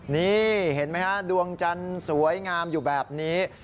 นี่เห็นไหมฮะดวงจันทร์สวยงามอยู่แบบนี้